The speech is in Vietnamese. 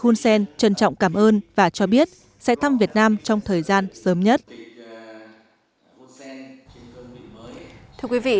hun sen trân trọng cảm ơn và cho biết sẽ thăm việt nam trong thời gian sớm nhất thưa quý vị